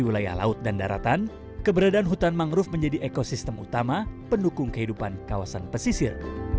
di wilayah laut dan daratan keberadaan hutan mangrove menjadi ekosistem utama pendukung kehidupan kawasan pesisir